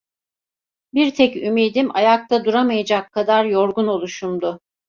Bir tek ümidim, ayakta duramayacak kadar yorgun oluşumdu.